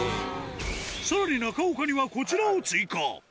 さらに中岡にはこちらを追加。